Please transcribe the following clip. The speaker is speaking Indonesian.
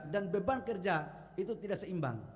dan beban kerja itu tidak seimbang